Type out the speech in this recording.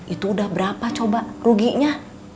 itu udah berapa coba ruginya